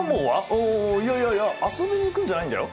あいやいやいや遊びに行くんじゃないんだよ。